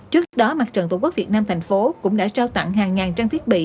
trước đó mặt trận tổ quốc việt nam thành phố cũng đã trao tặng hàng ngàn trang thiết bị